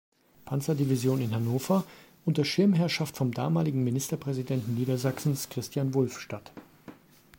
Panzerdivision in Hannover, unter Schirmherrschaft vom damaligen Ministerpräsidenten Niedersachsens Christian Wulff statt.